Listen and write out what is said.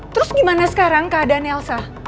terus gimana sekarang keadaan nelsa